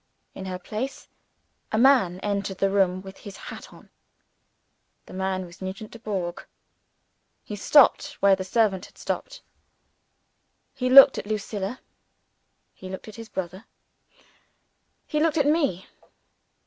In her place, a man entered the room with his hat on. The man was Nugent Dubourg. He stopped where the servant had stopped. He looked at Lucilla; he looked at his brother; he looked at me.